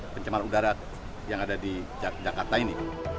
pencemaran udara yang ada di jakarta ini